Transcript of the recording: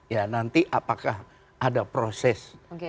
ya nanti apakah ada proses